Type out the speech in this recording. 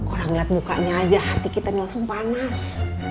orang liat mukanya aja hati kita nih langsung panas